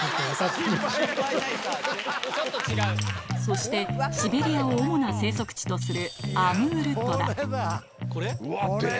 そしてシベリアを主な生息地とするこれだ！